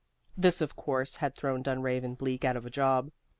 This, of course, had thrown Dunraven Bleak out of a job.